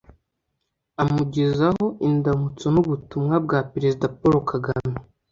amugezaho indamutso n’ubutumwa bwa Perezida Paul Kagame